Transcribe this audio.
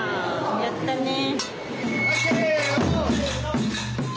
やったね。